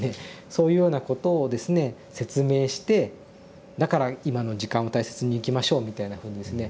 そういうようなことをですね説明して「だから今の時間を大切に生きましょう」みたいなふうにですね